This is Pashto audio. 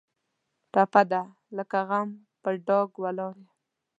ټپه ده: لکه غنم په ډاګ ولاړ یم.